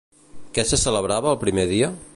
Què se celebrava el primer dia?